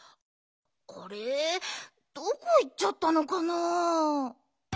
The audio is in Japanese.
あれっどこいっちゃったのかな？